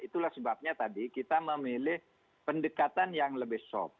itulah sebabnya tadi kita memilih pendekatan yang lebih soft